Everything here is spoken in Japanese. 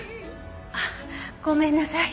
あっごめんなさい。